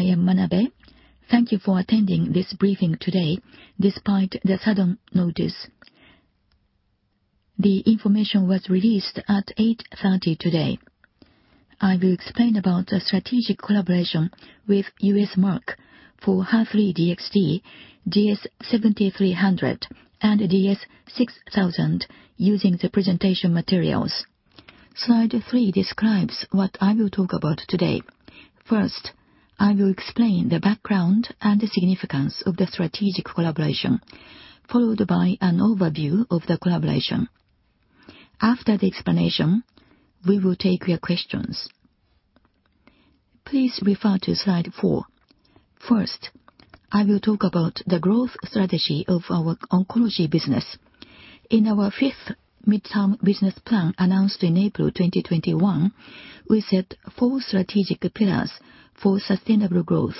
I am Manabe. Thank you for attending this briefing today, despite the sudden notice. The information was released at 8:30 A.M. today. I will explain about a strategic collaboration with U.S. Merck for HER3-DXd, DS-7300, and DS-6000 using the presentation materials. Slide 3 describes what I will talk about today. First, I will explain the background and the significance of the strategic collaboration, followed by an overview of the collaboration. After the explanation, we will take your questions. Please refer to slide 4. First, I will talk about the growth strategy of our oncology business. In our fifth midterm business plan, announced in April 2021, we set four strategic pillars for sustainable growth.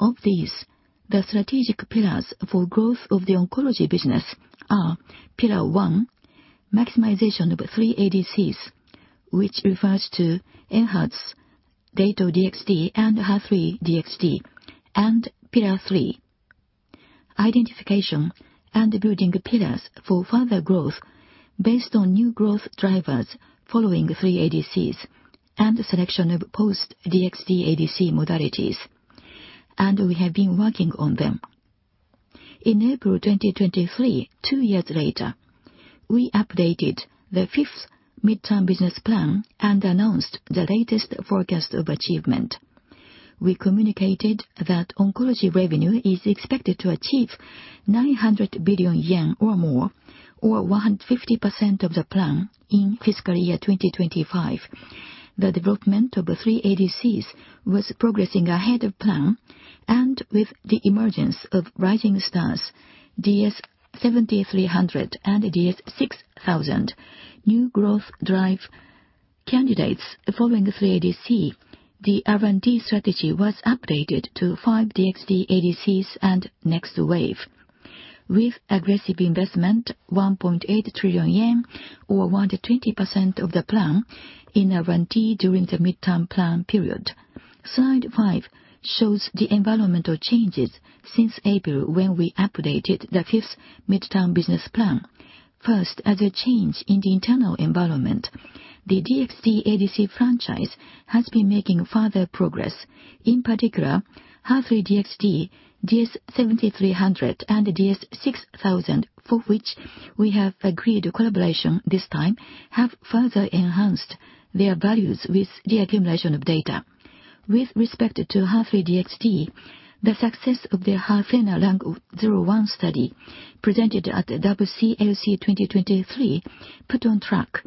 Of these, the strategic pillars for growth of the oncology business are: Pillar one, maximization of three ADCs, which refers to ENHERTU, Dato-DXd, and HER3-DXd. Pillar three, identification and building pillars for further growth based on new growth drivers following three ADCs, and selection of post-DXd ADC modalities, and we have been working on them. In April 2023, two years later, we updated the fifth midterm business plan and announced the latest forecast of achievement. We communicated that oncology revenue is expected to achieve 900 billion yen or more, or 150% of the plan in fiscal year 2025. The development of the three ADCs was progressing ahead of plan, and with the emergence of rising stars, DS-7300 and DS-6000, new growth drive candidates following three ADC, the R&D strategy was updated to five DXd ADCs and next wave. With aggressive investment, 1.8 trillion yen, or 120% of the plan in R&D during the midterm plan period. Slide 5 shows the environmental changes since April, when we updated the fifth midterm business plan. First, as a change in the internal environment, the DXd ADC franchise has been making further progress. In particular, HER3-DXd, DS-7300, and DS-6000, for which we have agreed a collaboration this time, have further enhanced their values with the accumulation of data. With respect to HER3-DXd, the success of the HERTHENA-Lung01 study, presented at the WCLC 2023, put on track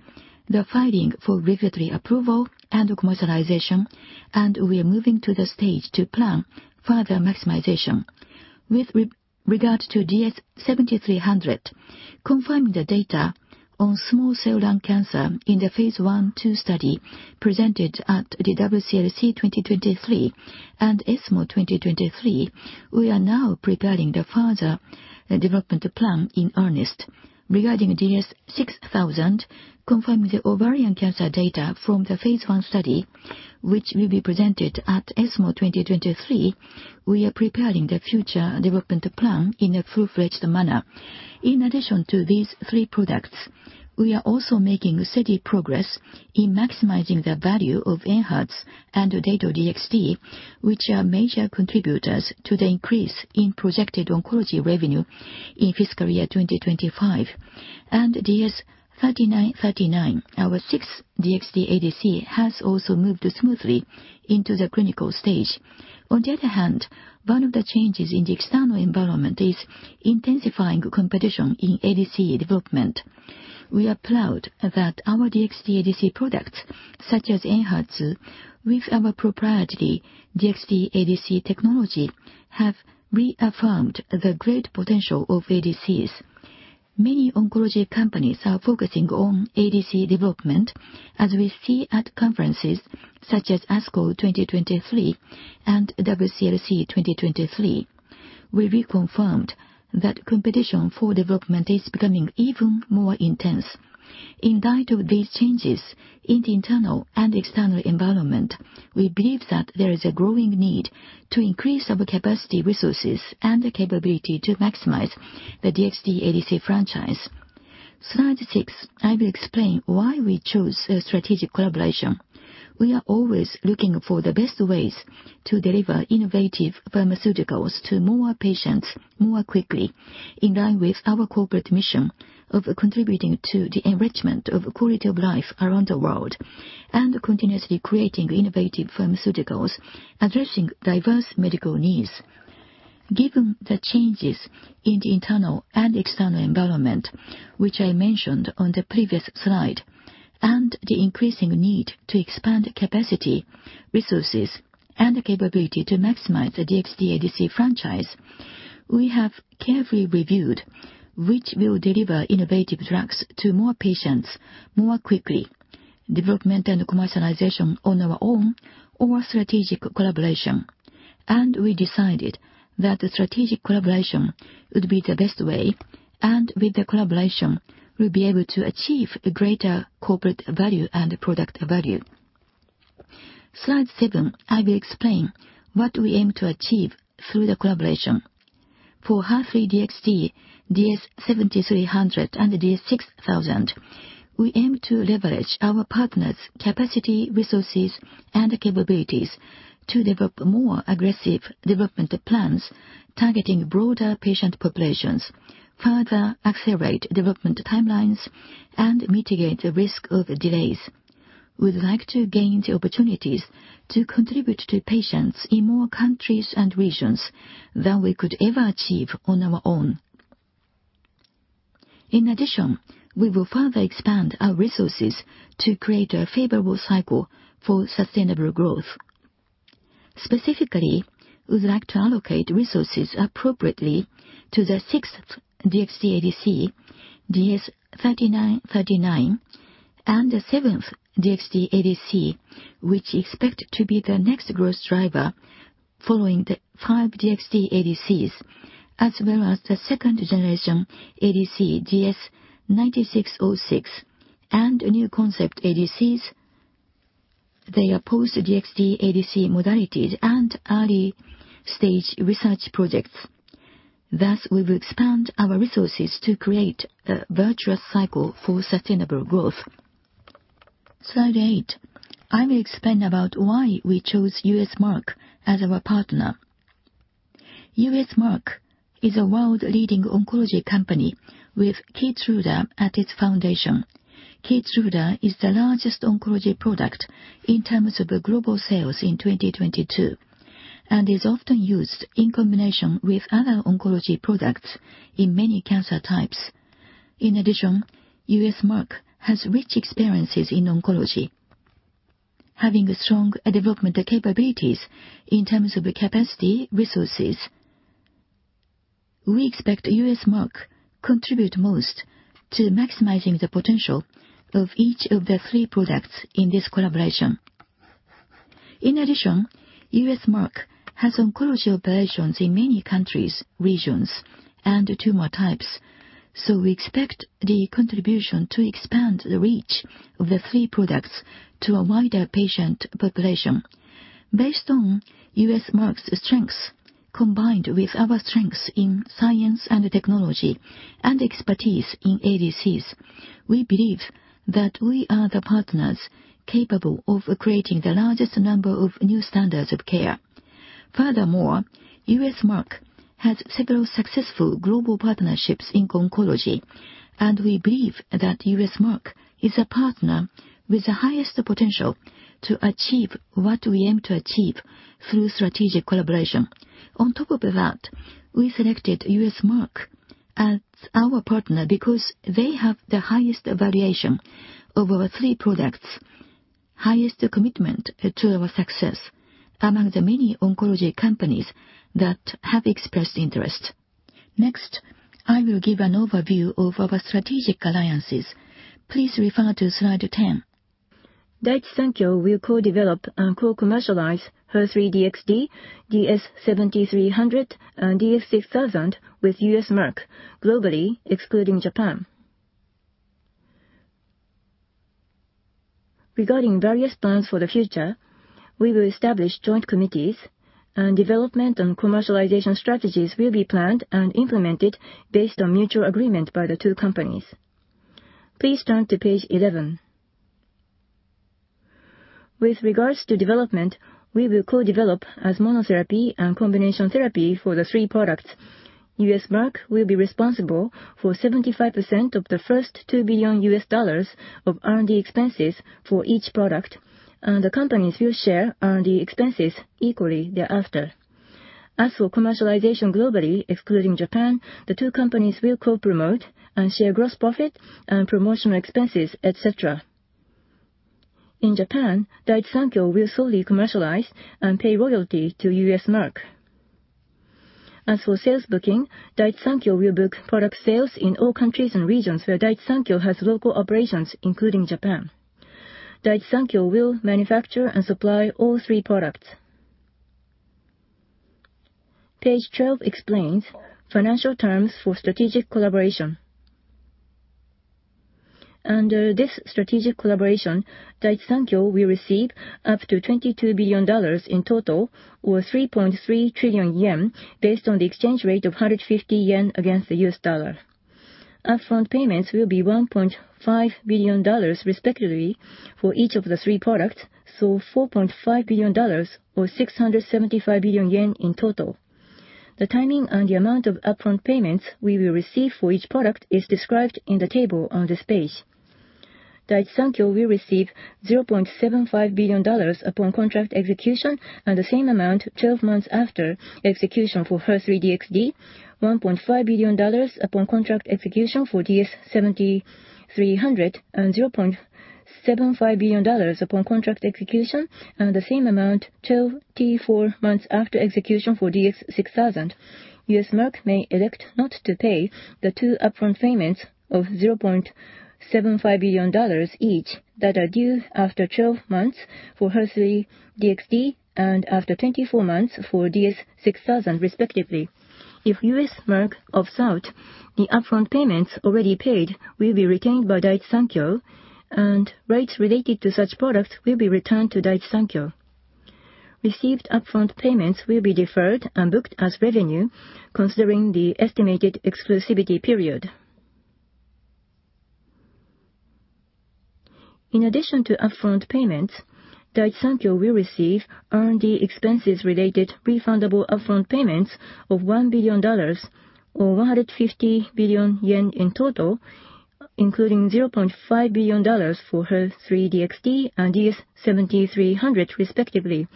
the filing for regulatory approval and commercialization, and we are moving to the stage to plan further maximization. With regard to DS-7300, confirming the data on Small Cell Lung Cancer in the phase I/II study presented at the WCLC 2023 and ESMO 2023, we are now preparing the further development plan in earnest. Regarding DS-6000, confirming the ovarian cancer data from the phase I study, which will be presented at ESMO 2023, we are preparing the future development plan in a full-fledged manner. In addition to these three products, we are also making steady progress in maximizing the value of ENHERTU and Dato-DXd, which are major contributors to the increase in projected oncology revenue in fiscal year 2025. DS-3939, our sixth DXd ADC, has also moved smoothly into the clinical stage. On the other hand, one of the changes in the external environment is intensifying competition in ADC development. We are proud that our DXd ADC products, such as ENHERTU, with our proprietary DXd ADC technology, have reaffirmed the great potential of ADCs. Many oncology companies are focusing on ADC development, as we see at conferences such as ASCO 2023 and WCLC 2023, where we confirmed that competition for development is becoming even more intense. In light of these changes in the internal and external environment, we believe that there is a growing need to increase our capacity, resources, and the capability to maximize the DXd ADC franchise. Slide six, I will explain why we chose a strategic collaboration. We are always looking for the best ways to deliver innovative pharmaceuticals to more patients, more quickly, in line with our corporate mission of contributing to the enrichment of quality of life around the world, and continuously creating innovative pharmaceuticals addressing diverse medical needs. Given the changes in the internal and external environment which I mentioned on the previous slide and the increasing need to expand capacity, resources, and capability to maximize the DXd ADC franchise. to develop more aggressive development plans, targeting broader patient populations, further accelerate development timelines, and mitigate the risk of delays." * This is good. * Wait, "more quickly: development". * If I use a colon, I should capitalize the next word if it's a complete sentence, but "development and commercialization on our own or strategic collaboration" is not a complete sentence. So lowercase "development" is correct. * Wait, "Slide seven". * Should it be "Slide 7"? * Rule: "Spell out numbers 1-9 in running text; use numerals for 10 and above." * "seven" is 1-9. So "seven" i We'd like to gain the opportunities to contribute to patients in more countries and regions than we could ever achieve on our own. In addition, we will further expand our resources to create a favorable cycle for sustainable growth. Specifically, we'd like to allocate resources appropriately to the sixth DXd ADC, DS-3939, and the seventh DXd ADC, which expect to be the next growth driver following the five DXd ADCs, as well as the 2nd-generation ADC, DS-9606, and new concept ADCs. They are post-DXd ADC modalities and early-stage research projects. Thus, we will expand our resources to create a virtuous cycle for sustainable growth. Slide 8, I will explain about why we chose U.S. Merck as our partner. U.S. Merck is a world-leading oncology company with KEYTRUDA at its foundation. Keytruda is the largest oncology product in terms of global sales in 2022 and is often used in combination with other oncology products in many cancer types. In addition, U.S. Merck has rich experiences in oncology, having strong development capabilities in terms of capacity, resources. We expect U.S. Merck contribute most to maximizing the potential of each of the three products in this collaboration. In addition, U.S. Merck has oncology operations in many countries, regions, and tumor types. We expect the contribution to expand the reach of the three products to a wider patient population. Based on U.S. Merck's strengths, combined with our strengths in science and technology and expertise in ADCs, we believe that we are the partners capable of creating the largest number of new standards of care. Furthermore, U.S. Merck has several successful global partnerships in oncology, and we believe that U.S. Merck is a partner with the highest potential to achieve what we aim to achieve through strategic collaboration. On top of that, we selected U.S. Merck as our partner because they have the highest valuation of our three products, highest commitment to our success among the many oncology companies that have expressed interest. Next, I will give an overview of our strategic alliances. Please refer to slide 10. Daiichi Sankyo will co-develop and co-commercialize HER3-DXd, DS-7300, and DS-6000 with U.S. Merck globally, excluding Japan. Regarding various plans for the future, we will establish joint committees, and development and commercialization strategies will be planned and implemented based on mutual agreement by the two companies. Please turn to page 11. With regards to development, we will co-develop as monotherapy and combination therapy for the three products. U.S. Merck will be responsible for 75% of the first $2 billion of R&D expenses for each product, and the companies will share R&D expenses equally thereafter. In Japan, Daiichi Sankyo will solely commercialize and pay royalty to U.S. Merck. Upfront payments will be $1.5 billion, respectively, for each of the three products, so $4.5 billion or 675 billion yen in total. The timing and the amount of upfront payments we will receive for each product is described in the table on this page. Daiichi Sankyo will receive $0.75$ billion upon contract execution and the same amount 12 months after execution for HER3-DXd, $1.5$ billion upon contract execution for DS-7300, and $0.75$ billion upon contract execution, and the same amount 24 months after execution for DS-6000. U.S. Merck may elect not to pay the two upfront payments of $0.75$ billion each, that are due after 12 months for HER3-DXd and after 24 months for DS-6000, respectively. If U.S. Merck opts out, the upfront payments already paid will be retained by Daiichi Sankyo, and rights related to such products will be returned to Daiichi Sankyo. Received upfront payments will be deferred and booked as revenue, considering the estimated exclusivity period. In addition to upfront payments, Daiichi Sankyo will receive R&D expenses related refundable upfront payments of $1 billion or 150 billion yen in total, including $0.5 billion for HER3-DXd and DS-7300, respectively.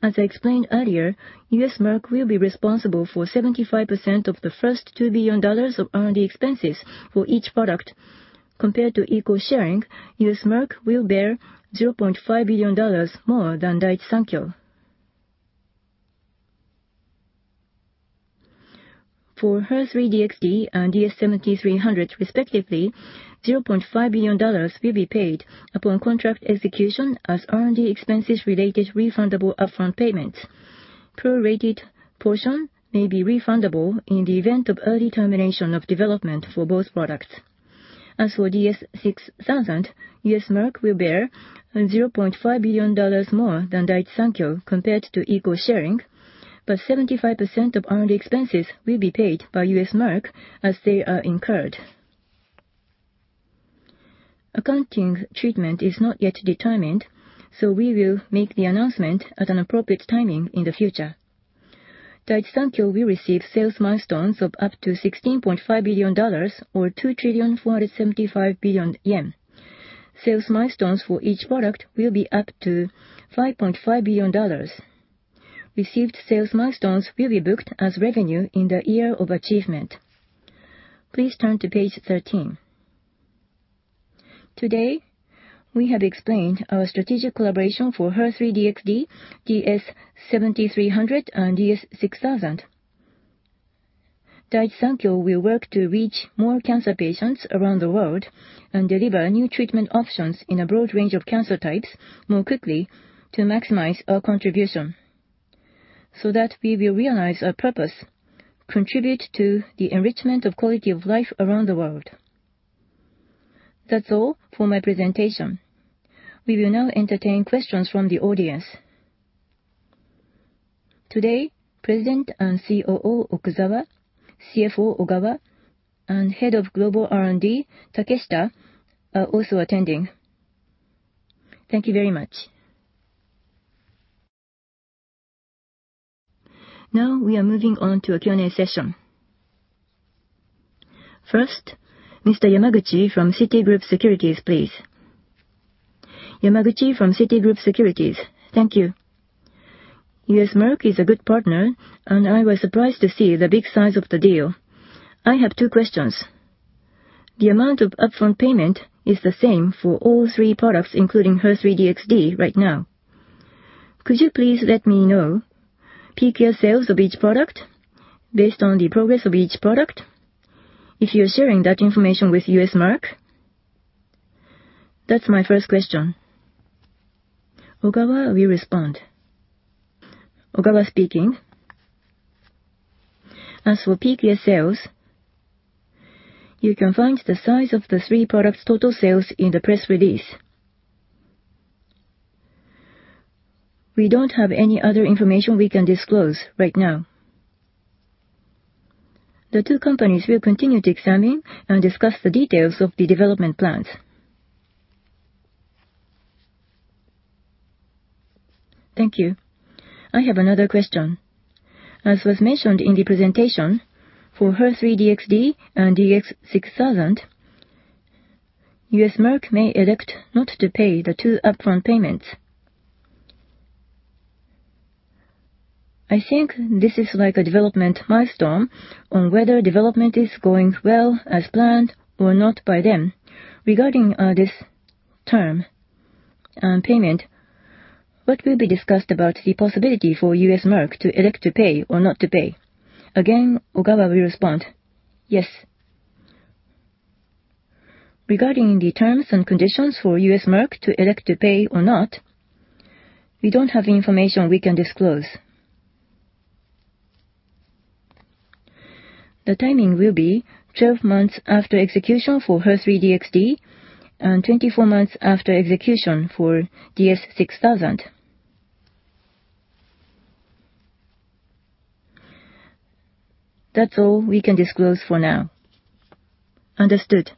As I explained earlier, U.S. Merck will be responsible for 75% of the first $2 billion of R&D expenses for each product. Compared to equal sharing, U.S. Merck will bear $0.5 billion more than Daiichi Sankyo. For HER3-DXd and DS-7300, respectively, $0.5 billion will be paid upon contract execution as R&D expenses related refundable upfront payments. Prorated portion may be refundable in the event of early termination of development for both products. As for DS-6000, U.S. Merck will bear $0.5 billion more than Daiichi Sankyo, compared to equal sharing, but 75% of R&D expenses will be paid by U.S. Merck as they are incurred. Accounting treatment is not yet determined, so we will make the announcement at an appropriate timing in the future. Daiichi Sankyo will receive sales milestones of up to $16.5 billion or 2,475 billion yen. Sales milestones for each product will be up to $5.5 billion. Received sales milestones will be booked as revenue in the year of achievement. Please turn to page 13. Today, we have explained our strategic collaboration for HER3-DXd, DS-7300, and DS-6000. Daiichi Sankyo will work to reach more cancer patients around the world and deliver new treatment options in a broad range of cancer types more quickly to maximize our contribution, so that we will realize our purpose: contribute to the enrichment of quality of life around the world. That's all for my presentation. We will now entertain questions from the audience. Today, President and COO Okuzawa, CFO Ogawa, and Head of Global R&D Takeshita are also attending. Thank you very much. Now we are moving on to a Q&A session. First, Mr. Yamaguchi from Citigroup Securities, please. Yamaguchi from Citigroup Securities. Thank you. U.S. Merck is a good partner, and I was surprised to see the big size of the deal. I have two questions. The amount of upfront payment is the same for all three products, including HER3-DXd right now. Could you please let me know peak year sales of each product based on the progress of each product, if you're sharing that information with U.S. Merck? That's my first question. Ogawa will respond. Ogawa speaking. As for peak year sales, you can find the size of the three products' total sales in the press release. We don't have any other information we can disclose right now. The two companies will continue to examine and discuss the details of the development plans. Thank you. I have another question. As was mentioned in the presentation, for HER3-DXd and DS-6000, U.S. Merck may elect not to pay the two upfront payments. I think this is like a development milestone on whether development is going well as planned or not by them. Regarding this term and payment, what will be discussed about the possibility for U.S. Merck to elect to pay or not to pay? Again, Ogawa will respond. Yes. Regarding the terms and conditions for U.S. Merck to elect to pay or not, we don't have information we can disclose. The timing will be 12 months after execution for HER3-DXd and 24 months after execution for DS-6000. That's all we can disclose for now. Understood.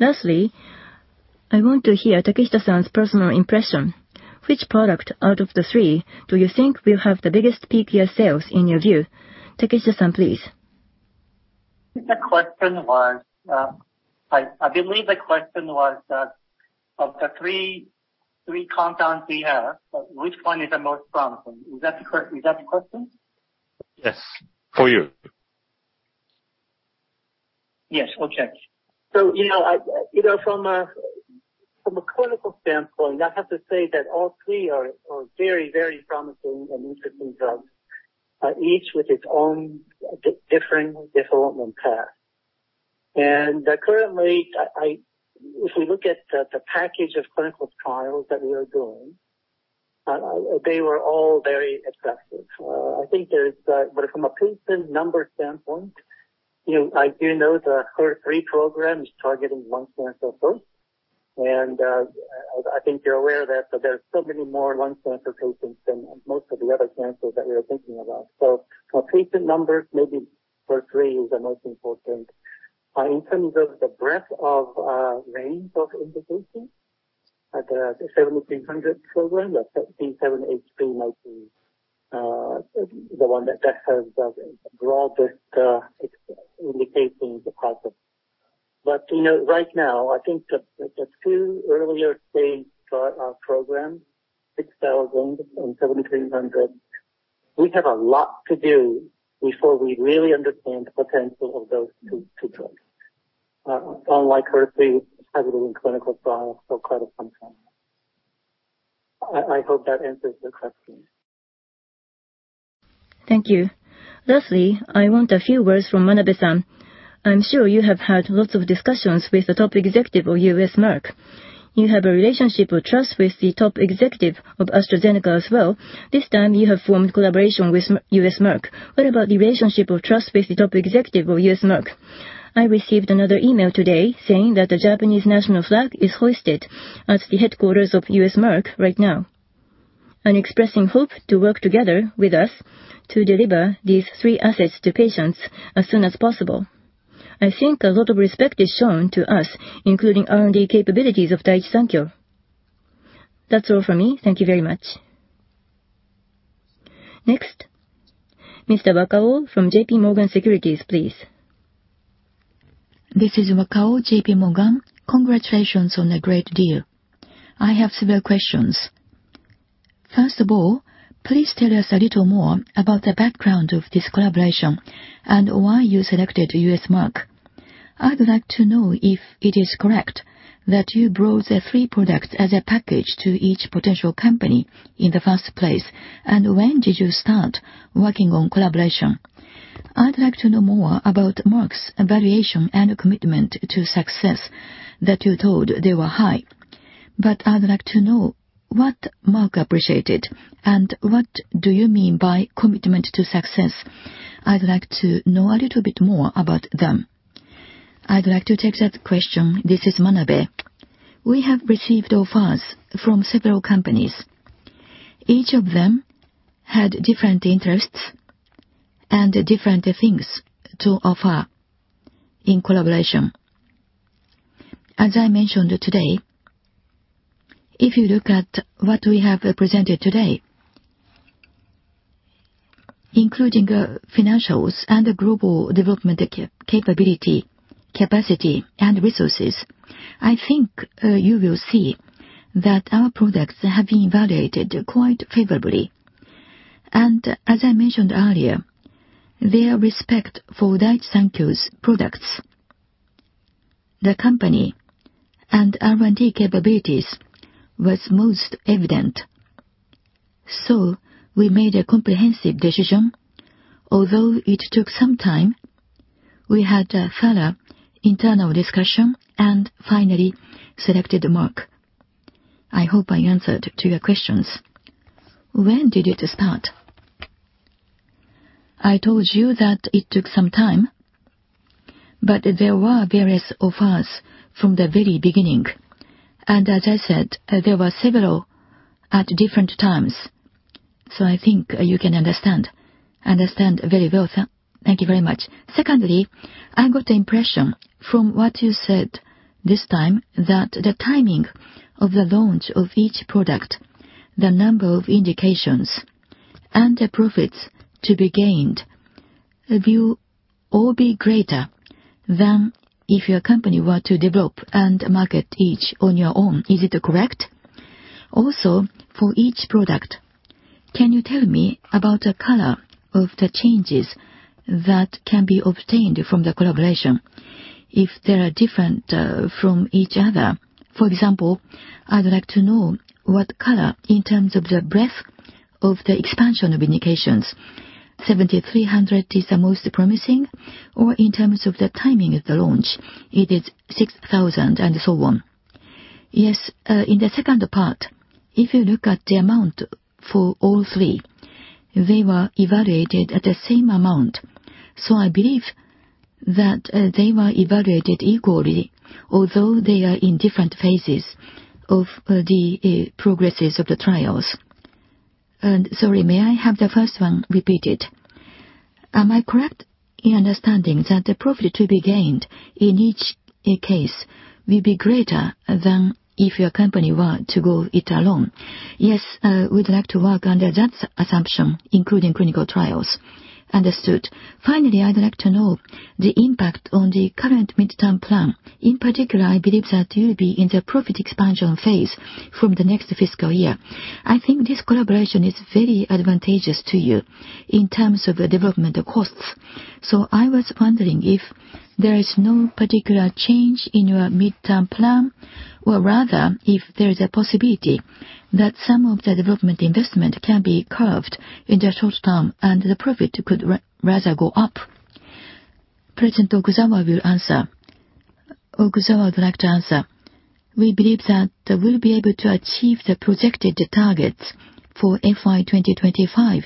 Lastly, I want to hear Takeshita-san's personal impression. Which product out of the three do you think will have the biggest peak year sales in your view? Takeshita-san, please. The question was, I believe the question was, of the three compounds we have, which one is the most promising? Is that the question? Yes, for you. Yes. Okay. You know, I, you know, from a clinical standpoint, I have to say that all three are very, very promising and interesting drugs, each with its own different development path. Currently, I, if we look at the package of clinical trials that we are doing, they were all very attractive. From a patient number standpoint, you know, I do know the HER3 program is targeting lung cancer first. I think you're aware that there are so many more lung cancer patients than most of the other cancers that we are thinking about. From patient numbers, maybe HER3 is the most important. In terms of the breadth of range of indication, at the 7300 program, the B7-H3 might be the one that has the broadest indication across them. But, you know, right now, I think the two earlier stage programs, 6000 and 7300, we have a lot to do before we really understand the potential of those two drugs. Unlike HER3, has it in clinical trial, so quite a fun time. I hope that answers the question. Thank you. Lastly, I want a few words from Manabe-san. I'm sure you have had lots of discussions with the top executive of U.S. Merck. You have a relationship of trust with the top executive of AstraZeneca as well. This time you have formed collaboration with U.S. Merck. What about the relationship of trust with the top executive of U.S. Merck? I received another email today saying that the Japanese national flag is hoisted at the headquarters of U.S. Merck right now, and expressing hope to work together with us to deliver these three assets to patients as soon as possible. I think a lot of respect is shown to us, including R&D capabilities of Daiichi Sankyo. That's all for me. Thank you very much. Next, Mr. Wakao from JP Morgan Securities, please. This is Wakao, JP Morgan. Congratulations on a great deal. I have several questions. First of all, please tell us a little more about the background of this collaboration and why you selected U.S. Merck. I'd like to know if it is correct that you brought the three products as a package to each potential company in the first place, and when did you start working on collaboration? I'd like to know more about Merck's evaluation and commitment to success, that you thought they were high. I'd like to know what Merck appreciated, and what do you mean by commitment to success? I'd like to know a little bit more about them. I'd like to take that question. This is Manabe. We have received offers from several companies. Each of them had different interests and different things to offer in collaboration. As I mentioned today, if you look at what we have presented today, including financials and the global development capability, capacity, and resources, I think you will see that our products have been evaluated quite favorably. As I mentioned earlier, their respect for Daiichi Sankyo's products, the company, and R&D capabilities was most evident. We made a comprehensive decision. Although it took some time, we had a thorough internal discussion and finally selected Merck. I hope I answered to your questions. When did it start? I told you that it took some time, but there were various offers from the very beginning. As I said, there were several at different times, so I think you can understand. Understand very well. Thank you very much. Secondly, I got the impression from what you said this time, that the timing of the launch of each product, the number of indications and the profits to be gained, will all be greater than if your company were to develop and market each on your own. Is it correct? Also, for each product, can you tell me about the color of the changes that can be obtained from the collaboration if they are different from each other? For example, I'd like to know what color in terms of the breadth of the expansion of indications. 7,300 is the most promising, or in terms of the timing of the launch, it is 6,000, and so on. Yes. In the second part, if you look at the amount for all three, they were evaluated at the same amount. I believe that they were evaluated equally, although they are in different phases of the progresses of the trials. Sorry, may I have the first one repeated? Am I correct in understanding that the profit to be gained in each case will be greater than if your company were to go it alone? Yes, we'd like to work under that assumption, including clinical trials. Understood. Finally, I'd like to know the impact on the current midterm plan. In particular, I believe that you'll be in the profit expansion phase from the next fiscal year. I think this collaboration is very advantageous to you in terms of the development costs. I was wondering if there is no particular change in your midterm plan, or rather, if there is a possibility that some of the development investment can be curbed in the short term and the profit could rather go up. President Okuzawa will answer. Okuzawa would like to answer. We believe that we'll be able to achieve the projected targets for F.Y. 2025,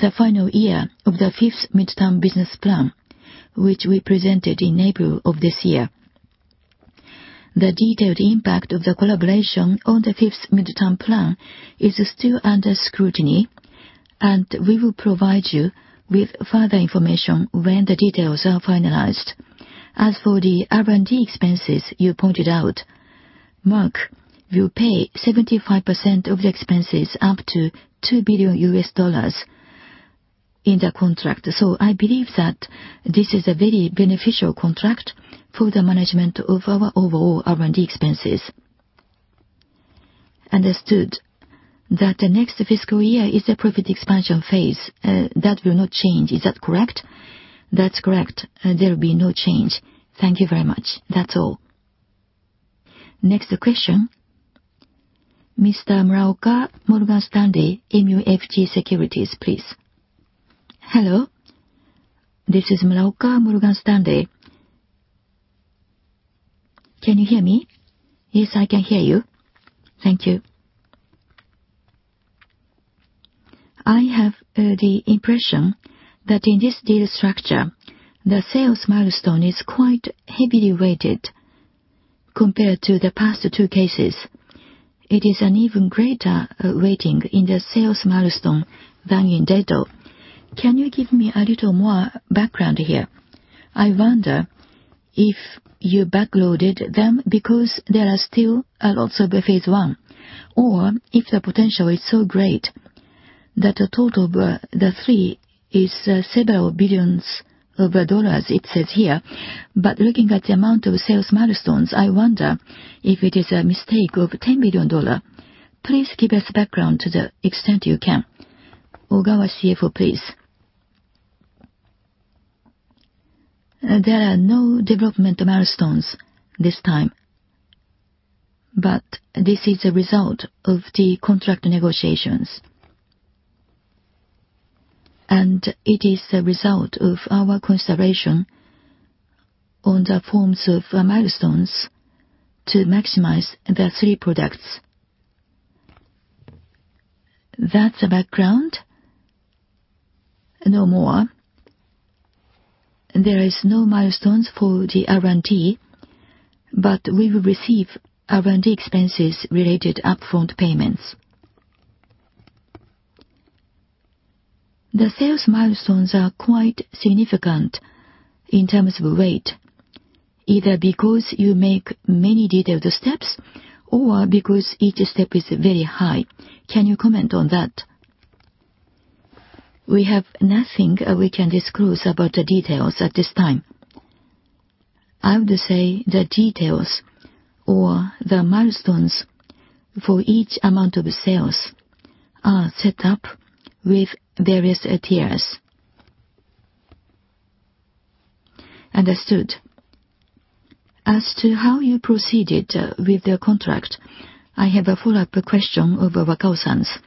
the final year of the fifth Midterm Business Plan, which we presented in April of this year. The detailed impact of the collaboration on the fifth midterm plan is still under scrutiny, and we will provide you with further information when the details are finalized. As for the R&D expenses you pointed out, Merck will pay 75% of the expenses up to $2 billion in the contract. I believe that this is a very beneficial contract for the management of our overall R&D expenses. Understood. That the next fiscal year is a profit expansion phase, that will not change. Is that correct? That's correct. There will be no change. Thank you very much. That's all. Next question, Mr. Muraoka, Morgan Stanley MUFG Securities, please. Hello, this is Muraoka, Morgan Stanley. Can you hear me? Yes, I can hear you. Thank you. I have the impression that in this deal structure, the sales milestone is quite heavily weighted compared to the past 2 cases. It is an even greater weighting in the sales milestone than in Dato. Can you give me a little more background here? I wonder if you backloaded them because there are still lots of phase I, or if the potential is so great that a total of the 3 is several $billions, it says here. Looking at the amount of sales milestones, I wonder if it is a mistake of $10 billion. Please give us background to the extent you can. Ogawa, CFO, please. There are no development milestones this time, but this is a result of the contract negotiations. It is a result of our consideration on the forms of milestones to maximize the 3 products. That's the background? No more. There is no milestones for the R&D, but we will receive R&D expenses related upfront payments. The sales milestones are quite significant in terms of weight, either because you make many detailed steps or because each step is very high. Can you comment on that? We have nothing we can disclose about the details at this time. I would say the details or the milestones for each amount of sales are set up with various tiers. Understood. As to how you proceeded with the contract, I have a follow-up question of Wakao-san's.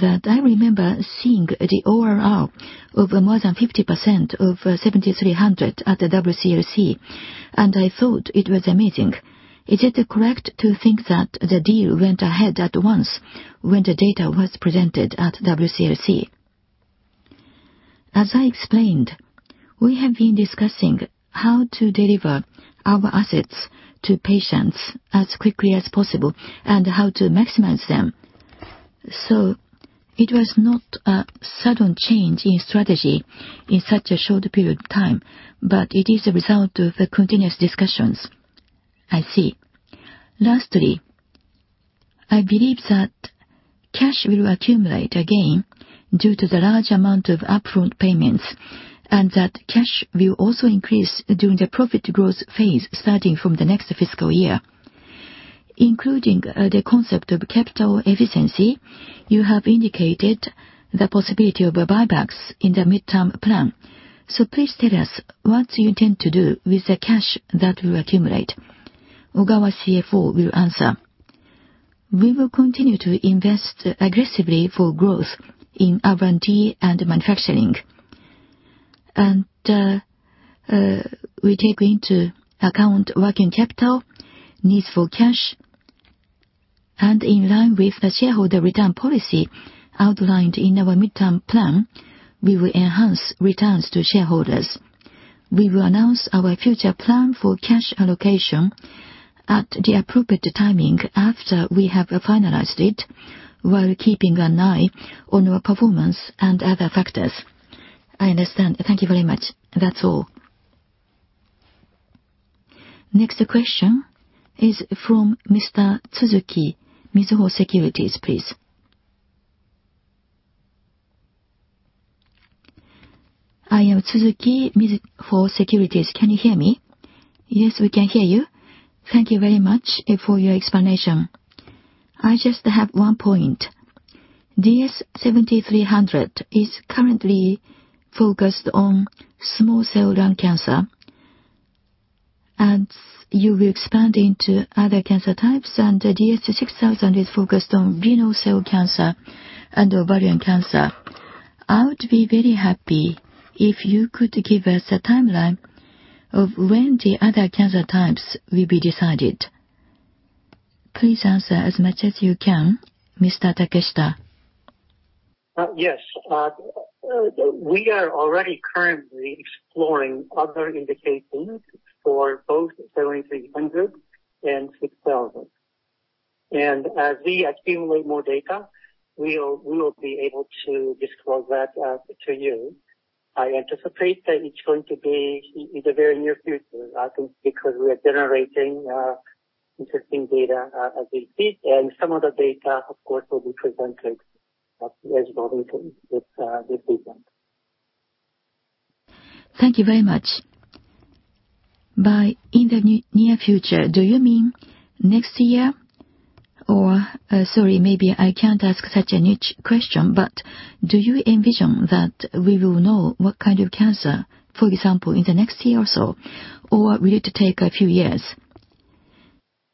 That I remember seeing the ORR of more than 50% of DS-7300 at the WCLC, and I thought it was amazing. Is it correct to think that the deal went ahead at once when the data was presented at WCLC? * "sudden change in strategy" - no number. * "deliver our assets to patients" - no number. * "maximize them" - no number. * "As I explained" - no number. * "I see" - no number. * "Lastly" - no number. * "Including the concept" - no number. * "Please tell us" - no number. * "Ogawa, CFO, will answer" - no number. * "We will continue to invest aggressively" - no number. * "growth in R&D and manufacturing" - no number. We take into account working capital needs for cash, and in line with the shareholder return policy outlined in our midterm plan, we will enhance returns to shareholders. We will announce our future plan for cash allocation at the appropriate timing after we have finalized it, while keeping an eye on our performance and other factors. I understand. Thank you very much. That's all. Next question is from Mr. Tsuzuki, Mizuho Securities, please. I am Tsuzuki, Mizuho Securities. Can you hear me? Yes, we can hear you. Thank you very much for your explanation. I just have one point. DS-7300 is currently focused on small cell lung cancer, and you will expand into other cancer types, and the DS-6000 is focused on renal cell cancer and ovarian cancer. I would be very happy if you could give us a timeline of when the other cancer types will be decided. Please answer as much as you can, Mr. Takeshita. a compound sentence: "...as we speak, and some of the data..." * So I keep it. * Wait, let me re-read the whole thing one more time. * "Yes. We are already currently exploring other indications for both 7300 and 6000. As we accumulate more data, we will be able to disclose that to you. I anticipate that it's going to be in the very near future, I think, because we are generating interesting data as we speak Thank you very much. By in the near future, do you mean next year? Sorry, maybe I can't ask such a niche question, but do you envision that we will know what kind of cancer, for example, in the next year or so? Or will it take a few years?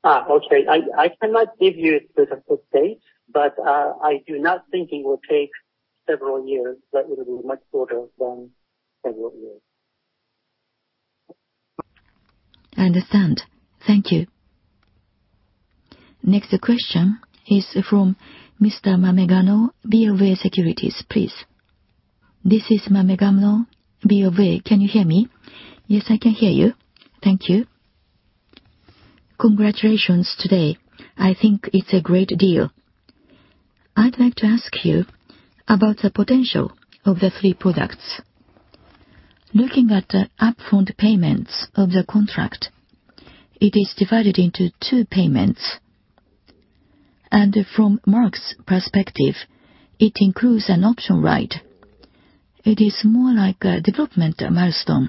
Okay. I cannot give you a specific date, but I do not think it will take several years. That would be much shorter than several years. I understand. Thank you. Next question is from Mr. Mamagano, BofA Securities, please. This is Mamagano, B.O.J. Can you hear me? Yes, I can hear you. Thank you. Congratulations today. I think it's a great deal. I'd like to ask you about the potential of the 3 products. Looking at the upfront payments of the contract, it is divided into 2 payments. From Merck's perspective, it includes an option right. It is more like a development milestone,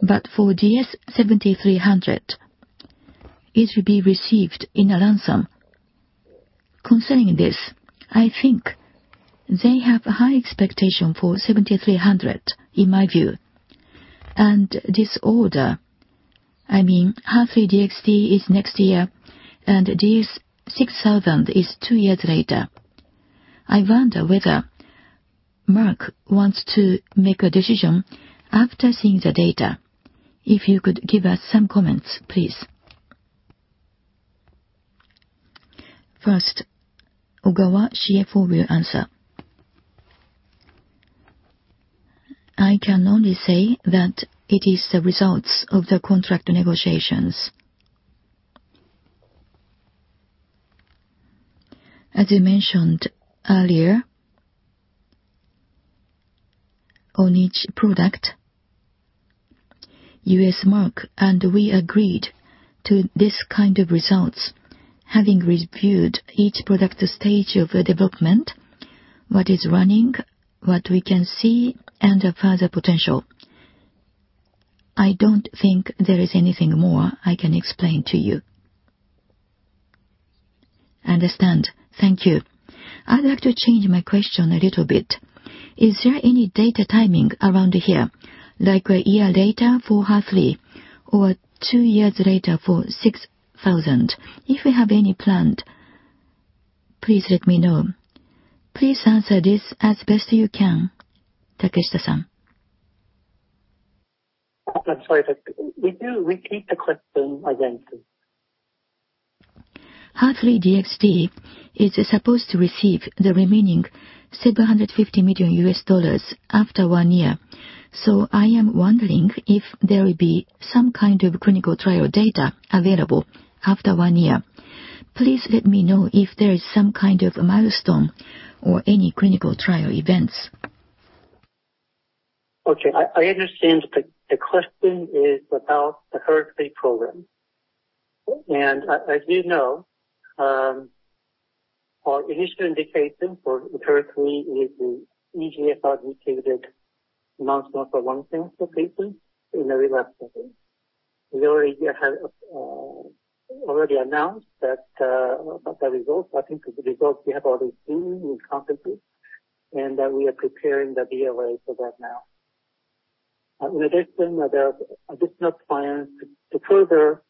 but for DS-7300, it will be received in a lump sum. Concerning this, I think they have a high expectation for 7,300, in my view. This order, I mean, HER3-DXd is next year, and DS-6000 is 2 years later. I wonder whether Merck wants to make a decision after seeing the data. If you could give us some comments, please. First, Ogawa, CFO, will answer. I can only say that it is the results of the contract negotiations. As I mentioned earlier, on each product, U.S. Merck and we agreed to this kind of results, having reviewed each product stage of development, what is running, what we can see, and the further potential. I don't think there is anything more I can explain to you. I understand. Thank you. I'd like to change my question a little bit. Is there any data timing around here, like a year later for HER3, or two years later for 6,000? If you have any planned, please let me know. Please answer this as best you can, Takeshita-san. I'm sorry, but would you repeat the question again, please? HER3-DXd is supposed to receive the remaining $750 million after one year, so I am wondering if there will be some kind of clinical trial data available after one year. Please let me know if there is some kind of a milestone or any clinical trial events. Okay. I understand. The question is about the HER3 program. As you know, our initial indication for HER3 is the EGFR-mutated non-small cell lung cancer patients in a relapsed setting. We already announced that about the results. I think the results we have already seen in conferences and that we are preparing the BLA for that now. In addition, there are additional plans to further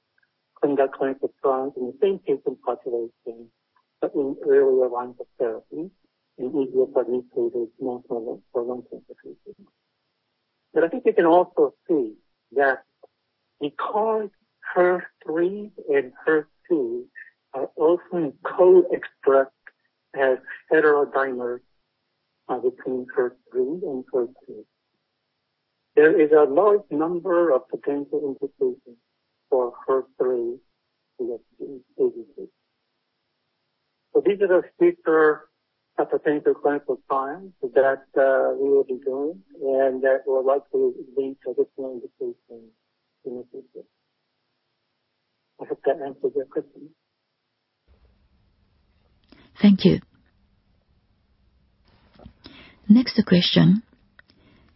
conduct clinical trials in the same patient population, but in earlier lines of therapy in EGFR-mutated non-small cell lung cancer patients. I think you can also see that because HER3 and HER2 are often co-expressed as heterodimers between HER3 and HER2, there is a large number of potential indications for HER3 ADC. These are the future potential clinical trials that we will be doing and that will likely lead to additional indications in the future. I hope that answers your question. Thank you. Next question,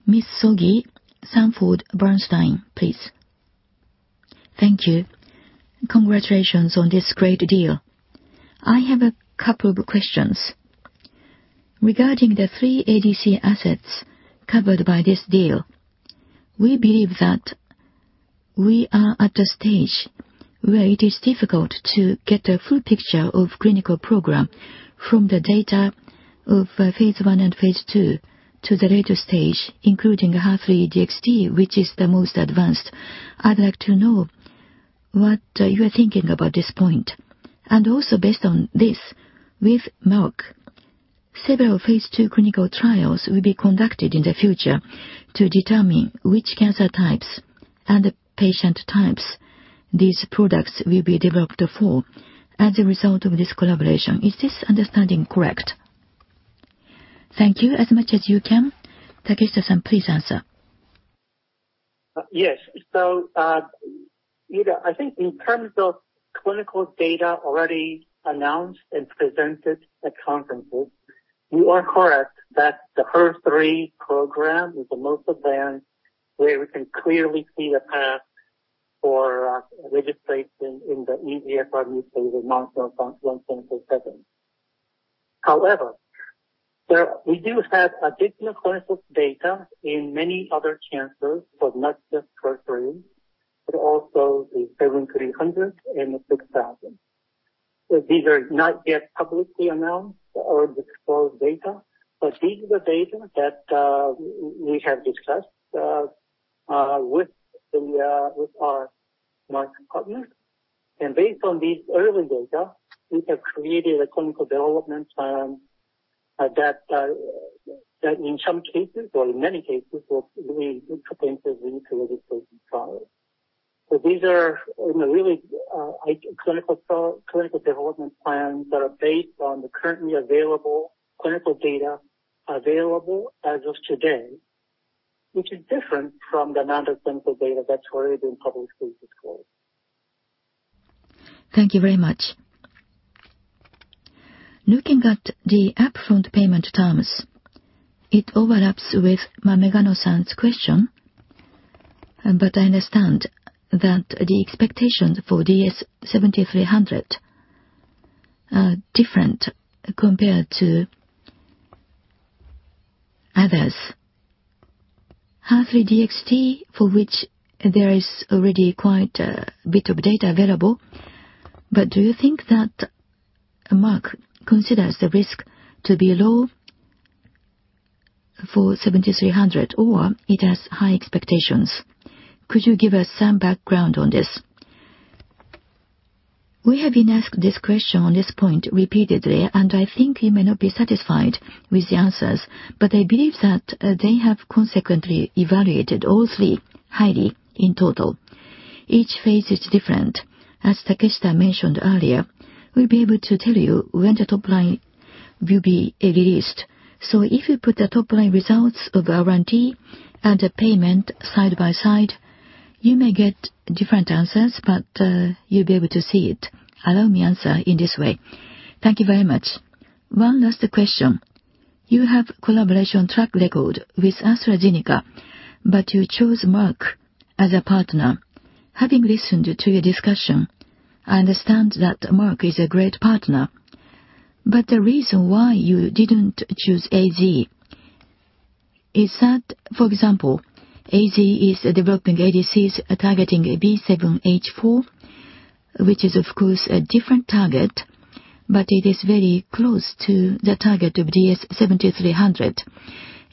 Ms. Sogi, Sanford Bernstein, please. Thank you. Congratulations on this great deal. I have a couple of questions. Regarding the three ADC assets covered by this deal, we believe that we are at a stage where it is difficult to get a full picture of clinical program from the data of phase I and phase II to the later stage, including HER3-DXd, which is the most advanced. I'd like to know what you are thinking about this point. Also, based on this, with Merck, several phase II clinical trials will be conducted in the future to determine which cancer types and patient types these products will be developed for as a result of this collaboration. Is this understanding correct? Thank you. As much as you can, Takeshita-san, please answer. Yes. You know, I think in terms of clinical data already announced and presented at conferences, you are correct that the HER3 program is the most advanced, where we can clearly see a path for registration in the EGFR stage of 1,007. However, there, we do have additional clinical data in many other cancers, but not just HER3, but also the 7300 and the 6000. These are not yet publicly announced or disclosed data, but these are the data that we have discussed with our Merck partners. Based on these early data, we have created a clinical development plan that in some cases, or in many cases, will be interpreted into clinical trials. These are clinical development plans that are based on the currently available clinical data available as of today, which is different from the non-clinical data that's already been publicly disclosed. Thank you very much. Looking at the upfront payment terms, it overlaps with Manabe-san's question, but I understand that the expectations for DS-7300 are different compared to others. HER3-DXd, for which there is already quite a bit of data available, but do you think that Merck considers the risk to be low for 7300, or it has high expectations? Could you give us some background on this? We have been asked this question on this point repeatedly, and I think you may not be satisfied with the answers, but I believe that they have consequently evaluated all three highly in total. Each phase is different. As Takeshita mentioned earlier, we'll be able to tell you when the top-line will be released. If you put the top-line results of our R&D and the payment side by side, you may get different answers, but you'll be able to see it. Allow me answer in this way. Thank you very much. One last question. You have collaboration track record with AstraZeneca, but you chose Merck as a partner. Having listened to your discussion, I understand that Merck is a great partner, but the reason why you didn't choose A.Z. is that, for example, A.Z. is developing ADCs, targeting B7-H4, which is, of course, a different target, but it is very close to the target of DS-7300.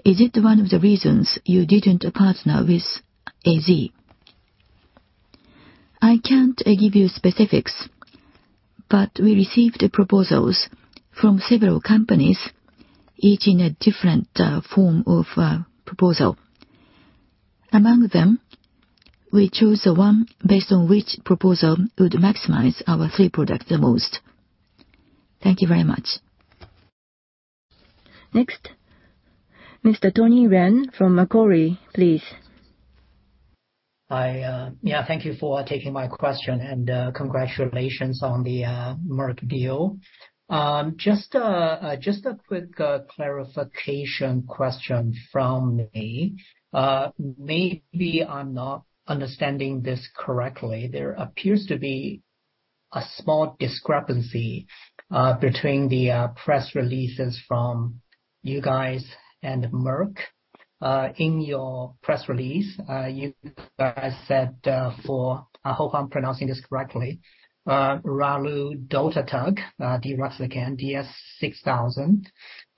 Is it one of the reasons you didn't partner with A.Z.? I can't give you specifics, but we received proposals from several companies, each in a different form of proposal. Among them, we chose the one based on which proposal would maximize our three product the most. Thank you very much. Next, Mr. Tony Ren from Macquarie, please. Thank you for taking my question, and congratulations on the Merck deal. Just a quick clarification question from me. Maybe I'm not understanding this correctly. There appears to be a small discrepancy between the press releases from you guys and Merck. In your press release, you guys said for, I hope I'm pronouncing this correctly, raludotatug deruxtecan, DS-6000,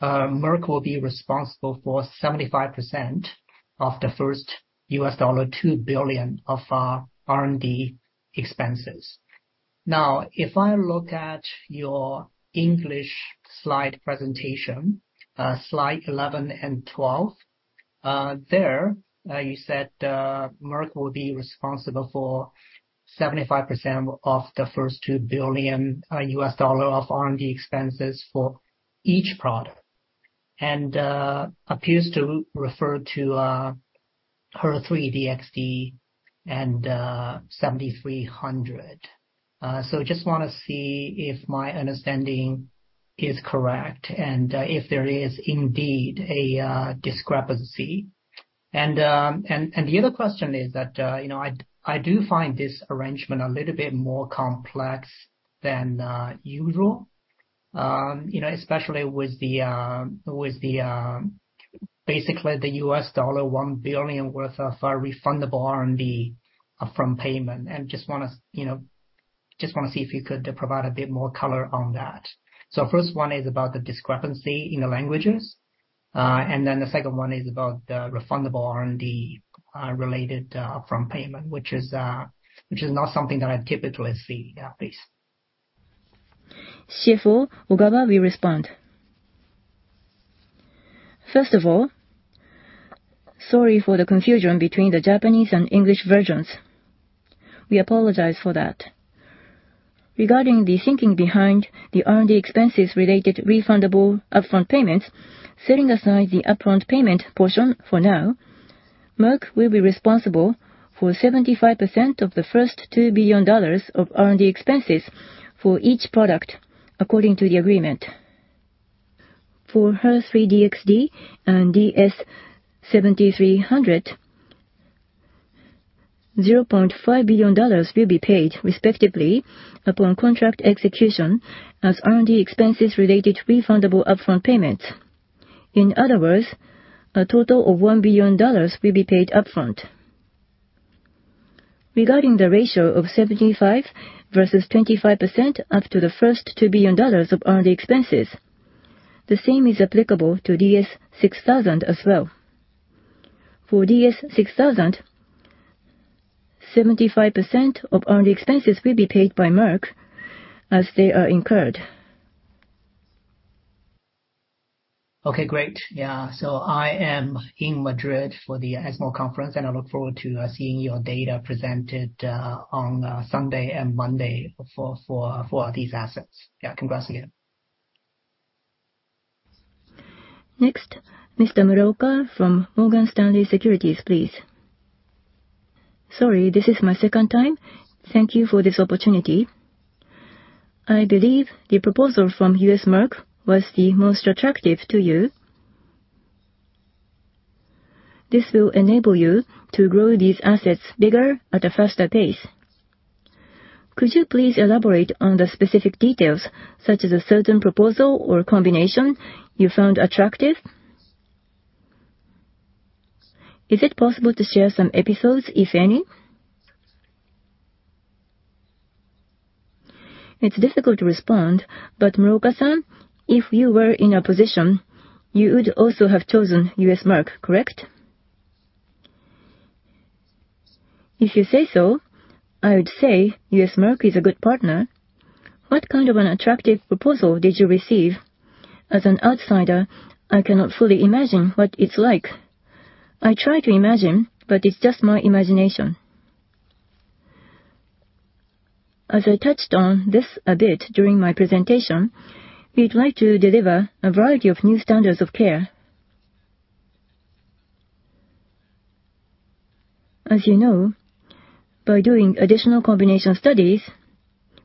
Merck will be responsible for 75% of the first $2 billion of R&D expenses. Now, if I look at your English slide presentation, slide 11 and 12, there you said Merck will be responsible for 75% of the first $2 billion of R&D expenses for each product, and appears to refer to HER3-DXd and 7300. Just wanna see if my understanding is correct and if there is indeed a discrepancy. The other question is that, you know, I do find this arrangement a little bit more complex than usual. You know, especially with basically the U.S. dollar $1 billion worth of refundable R.&D. upfront payment. Just want to see if you could provide a bit more color on that. First one is about the discrepancy in the languages, and then the second one is about the refundable R.&D. related front payment, which is not something that I typically see, please. Chief Ogawa will respond. First of all, sorry for the confusion between the Japanese and English versions. We apologize for that. Regarding the thinking behind the R&D expenses related refundable upfront payments, setting aside the upfront payment portion for now, Merck will be responsible for 75% of the first $2 billion of R&D expenses for each product, according to the agreement. For HER3-DXd and DS-7300, $0.5 billion will be paid respectively upon contract execution as R&D expenses related refundable upfront payments. In other words, a total of $1 billion will be paid upfront. Regarding the ratio of 75% versus 25% up to the first $2 billion of R&D expenses, the same is applicable to DS-6000 as well. For DS-6000, 75% of R&D expenses will be paid by Merck as they are incurred. Okay, great. Yeah. I am in Madrid for the ESMO conference, and I look forward to seeing your data presented on Sunday and Monday for these assets. Yeah, congrats again. Next, Mr. Muroka from Morgan Stanley Securities, please. Sorry, this is my second time. Thank you for this opportunity. I believe the proposal from U.S. Merck was the most attractive to you. This will enable you to grow these assets bigger at a faster pace. Could you please elaborate on the specific details, such as a certain proposal or combination you found attractive? Is it possible to share some episodes, if any? It's difficult to respond, but Muroka-san, if you were in a position, you would also have chosen U.S. Merck, correct? If you say so, I would say U.S. Merck is a good partner. What kind of an attractive proposal did you receive? As an outsider, I cannot fully imagine what it's like. I try to imagine, but it's just my imagination. As I touched on this a bit during my presentation, we'd like to deliver a variety of new standards of care. As you know, by doing additional combination studies,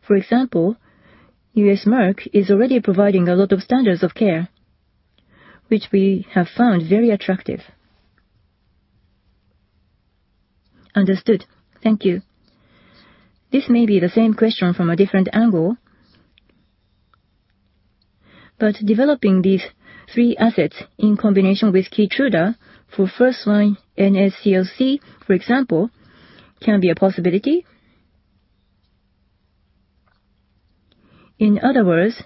for example, U.S. Merck is already providing a lot of standards of care, which we have found very attractive. Understood. Thank you. This may be the same question from a different angle, but developing these three assets in combination with KEYTRUDA for first-line NSCLC, for example, can be a possibility. In other words,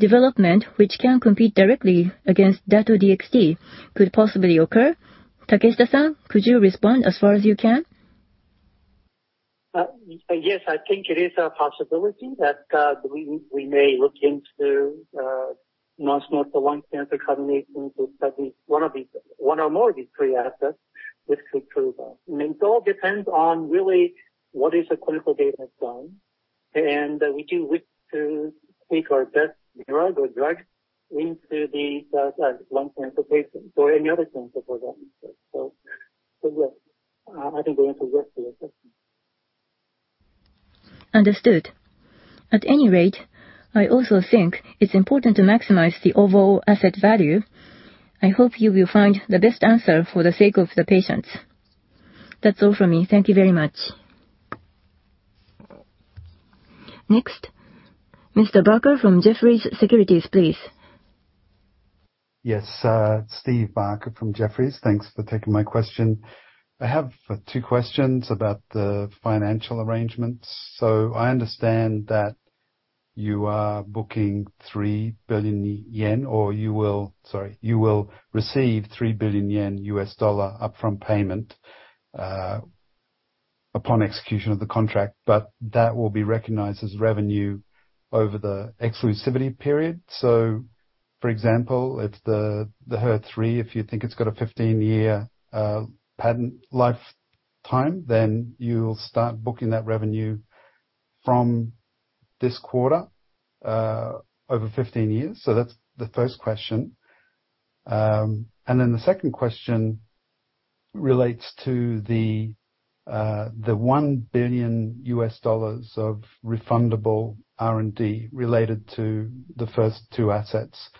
development which can compete directly against Dato-DXd could possibly occur. Takeshita-san, could you respond as far as you can? Yes, I think it is a possibility that we may look into non-small cell lung cancer combinations with at least one or more of these three assets with KEYTRUDA. I mean, it all depends on really what is the clinical data done, and we do wish to take our best drug or drugs into the lung cancer patient or any other cancer for that matter. Yes, I think the answer is yes to your question. Understood. At any rate, I also think it's important to maximize the overall asset value. I hope you will find the best answer for the sake of the patients. That's all from me. Thank you very much. Next, Mr. Barker from Jefferies Securities, please. Yes, Steve Barker from Jefferies. Thanks for taking my question. I have two questions about the financial arrangements. I understand that you are booking 3 billion yen, or you will... Sorry, you will receive 3 billion yen US dollar upfront payment upon execution of the contract, but that will be recognized as revenue over the exclusivity period. For example, if the HER3, if you think it's got a 15-year patent lifetime, then you'll start booking that revenue from this quarter over 15 years. That's the first question. Then the second question relates to the $1 billion of refundable R&D related to the first two assets.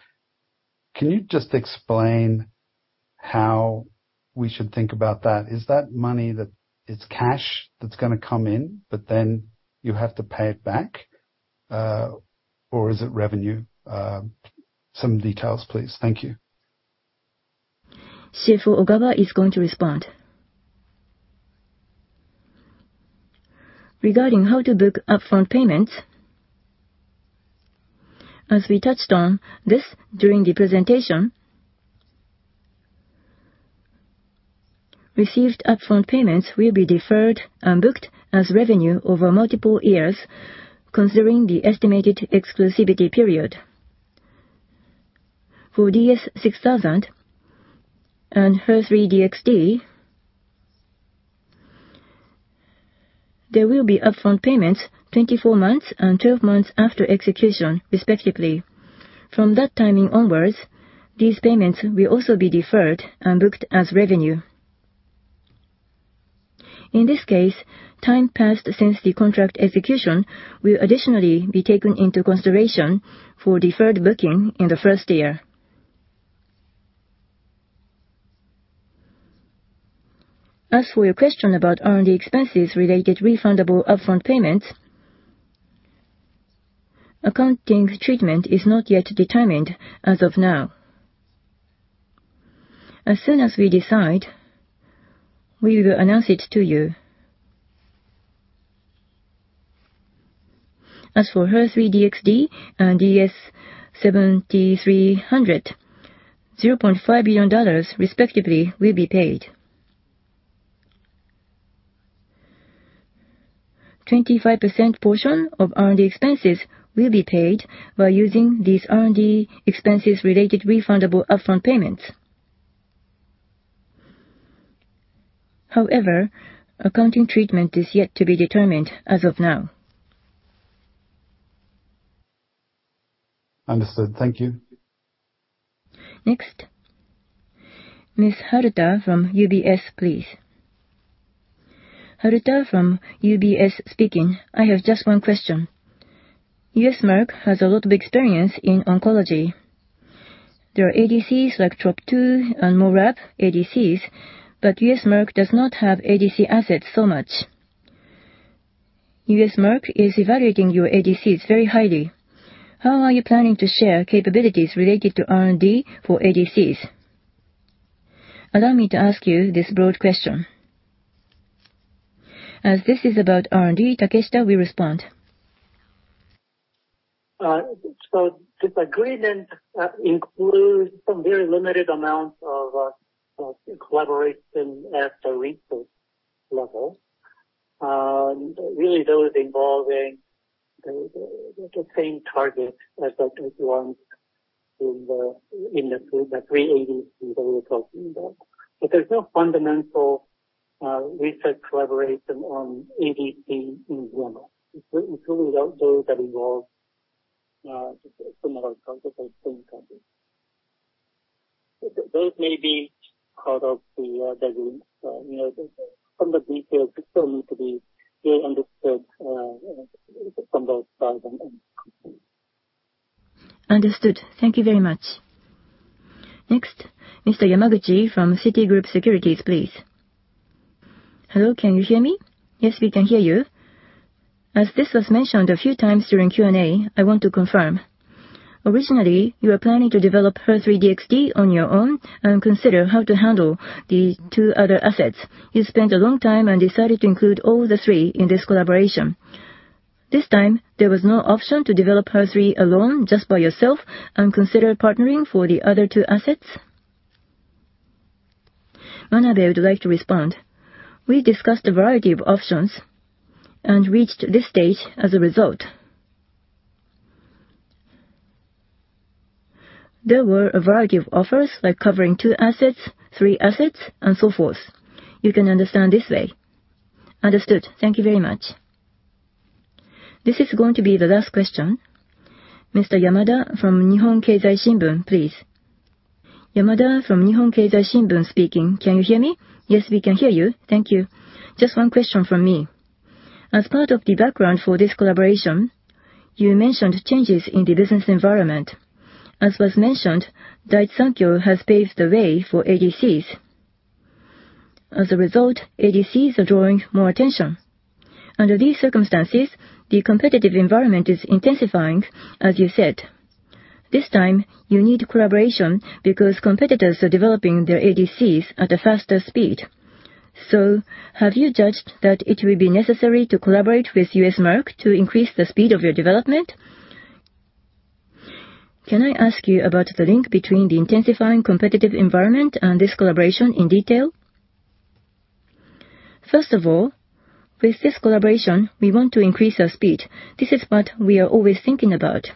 Can you just explain how we should think about that? Is that money, that it's cash that's gonna come in, but then you have to pay it back, or is it revenue? Some details, please. Thank you. CFO Ogawa is going to respond. Regarding how to book upfront payments, as we touched on this during the presentation, received upfront payments will be deferred and booked as revenue over multiple years, considering the estimated exclusivity period. For DS-6000 and HER3-DXd, there will be upfront payments 24 months and 12 months after execution, respectively. From that timing onwards, these payments will also be deferred and booked as revenue. In this case, time passed since the contract execution will additionally be taken into consideration for deferred booking in the first year. As for your question about R&D expenses related refundable upfront payments, accounting treatment is not yet determined as of now. As soon as we decide, we will announce it to you. As for HER3-DXd and DS-7300, $0.5 billion respectively will be paid. 25% portion of R&D expenses will be paid by using these R&D expenses related refundable upfront payments. However, accounting treatment is yet to be determined as of now. Understood. Thank you. Next, Ms. Haruta from UBS, please. Haruta from UBS speaking. I have just one question. U.S. Merck has a lot of experience in oncology. There are ADCs like TROP2 and Morab ADCs, but U.S. Merck does not have ADC assets so much. U.S. Merck is evaluating your ADCs very highly. How are you planning to share capabilities related to R&D for ADCs? Allow me to ask you this broad question. As this is about R&D, Takeshita will respond. This agreement includes some very limited amounts of collaboration at the research level, really those involving the same target as the ones in the three ADCs that we were talking about. There's no fundamental research collaboration on ADC in general, including those that involve some of our targets or same targets. Those may be part of the agreement. You know, some of the details still need to be very understood from both sides and complete. numerals for 10 and above." * This is so specific. I'll use "two" and "three". If I use "2" and "3", I am ignoring a very specific rule. * Wait, "Q&A". * "As this was mentioned a few times during Q&A, I want to confirm." Is "Q&A" an acronym? * "Q&A" stands for "Question and Answer". * Is it an acronym? Some say yes, some say it's just an abbreviation. * If it's an acronym, it has 2 letters. * Rule: "Always use periods for acronyms with fewer than three letters (e.g., U.S., U.K., D.C., L.A., N.Y.)". * I'll use Yamada from Nihon Keizai Shimbun speaking. Can you hear me? Yes, we can hear you. Thank you. Just one question from me. As part of the background for this collaboration, you mentioned changes in the business environment. As was mentioned, Daiichi Sankyo has paved the way for ADCs. As a result, ADCs are drawing more attention. Under these circumstances, the competitive environment is intensifying, as you said. This time, you need collaboration because competitors are developing their ADCs at a faster speed. Have you judged that it will be necessary to collaborate with U.S. Merck to increase the speed of your development? Can I ask you about the link between the intensifying competitive environment and this collaboration in detail? First of all, with this collaboration, we want to increase our speed. This is what we are always thinking about.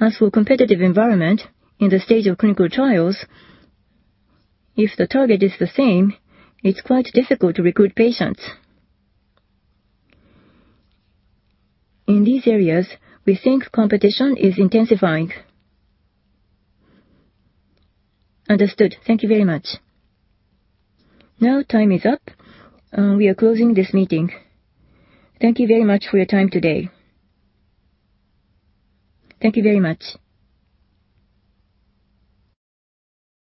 As for competitive environment, in the stage of clinical trials, if the target is the same, it's quite difficult to recruit patients. In these areas, we think competition is intensifying. Understood. Thank you very much. Now, time is up, and we are closing this meeting. Thank you very much for your time today. Thank you very much.